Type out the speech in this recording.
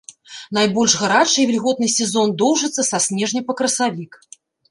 Найбольш гарачы і вільготны сезон доўжыцца са снежня па красавік.